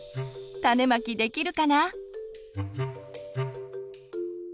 種まきできるかな？